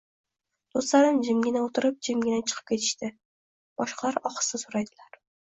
Do'stlarim jimgina o'tirib, jimgina chiqib ketishadi. Boshqalar ohista so'raydilar: